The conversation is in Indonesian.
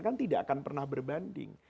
kan tidak akan pernah berbanding